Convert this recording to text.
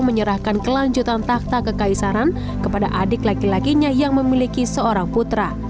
menyerahkan kelanjutan takta kekaisaran kepada adik laki lakinya yang memiliki seorang putra